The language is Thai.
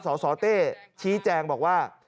สสเต้ชี้แจงบอกว่า